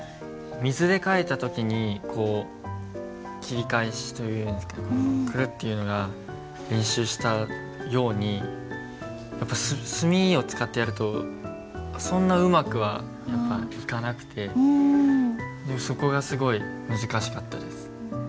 水で書いた時に切り返しというんですかくるっていうのが練習したように墨を使ってやるとそんなうまくはいかなくてそこがすごい難しかったです。